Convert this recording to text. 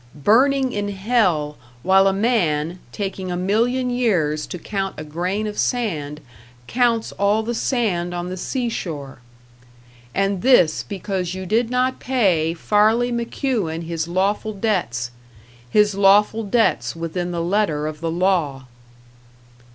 Burning in hell while a man, taking a million years to count a grain of sand, counts all the sand on the sea shore. And this because you did not pay Farley McKeown his lawful debts, his lawful debts within the letter of the law."